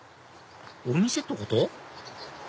お店ってこと？